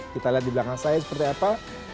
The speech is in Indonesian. kita lihat di belakang saya seperti apa